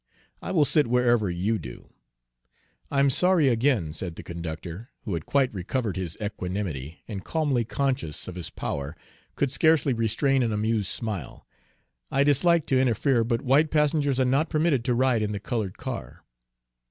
I will sit wherever you do." "I'm sorry again," said the conductor, who had quite recovered his equanimity, and calmly conscious of his power, could scarcely restrain an amused smile; "I dislike to interfere, but white passengers are not permitted to ride in the colored car."